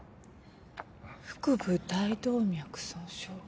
腹部大動脈損傷。